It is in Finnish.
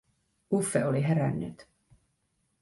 Uffe oli herännyt.